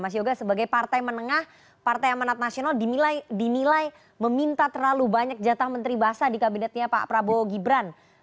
mas yoga sebagai partai menengah partai amanat nasional dinilai meminta terlalu banyak jatah menteri basah di kabinetnya pak prabowo gibran